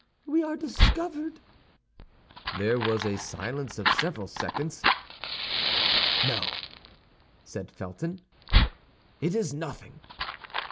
"We are discovered!" There was a silence of several seconds. "No," said Felton, "it is nothing."